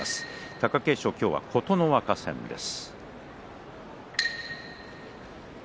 貴景勝、今日は琴ノ若戦です。